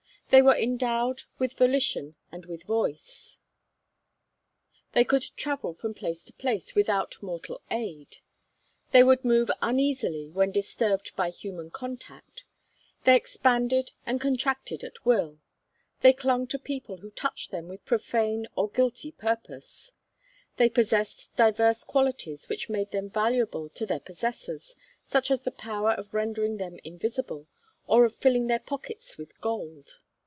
They were endowed with volition and with voice; they could travel from place to place without mortal aid; they would move uneasily when disturbed by human contact; they expanded and contracted at will; they clung to people who touched them with profane or guilty purpose; they possessed divers qualities which made them valuable to their possessors, such as the power of rendering them invisible, or of filling their pockets with gold.